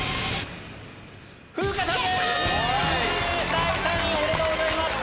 第３位おめでとうございます！